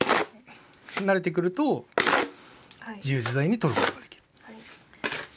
慣れてくると自由自在に取ることができる。